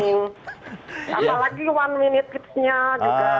apalagi one minute kids nya juga